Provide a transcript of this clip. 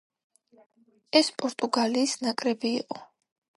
ეს პორტუგალიის ნაკრები იყო.